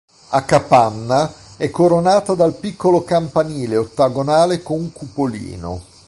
A capanna, è coronata dal piccolo campanile ottagonale con cupolino.